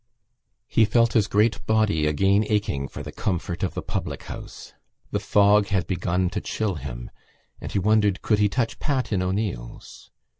He felt his great body again aching for the comfort of the public house. The fog had begun to chill him and he wondered could he touch Pat in O'Neill's.